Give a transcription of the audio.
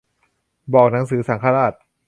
บอกหนังสือสังฆราช